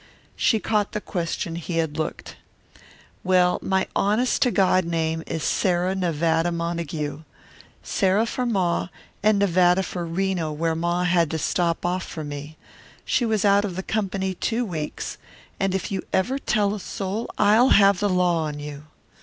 She caught the question he had looked. "Well, my honest to God name is Sarah Nevada Montague; Sarah for Ma and Nevada for Reno where Ma had to stop off for me she was out of the company two weeks and if you ever tell a soul I'll have the law on you.